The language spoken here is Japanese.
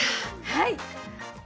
はい。